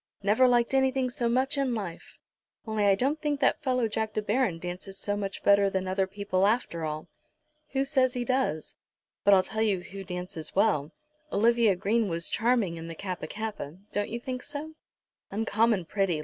"Never liked anything so much in life; only I don't think that fellow Jack De Baron, dances so much better than other people, after all?" "Who says he does? But I'll tell you who dances well. Olivia Green was charming in the Kappa kappa. Don't you think so?" "Uncommon pretty."